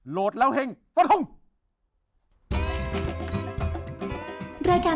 โหลดแล้วเฮ่งสวัสดีครับ